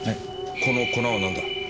この粉はなんだ？